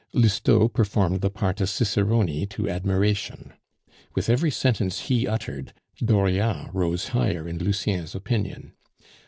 Lousteau performed the part of cicerone to admiration; with every sentence he uttered Dauriat rose higher in Lucien's opinion.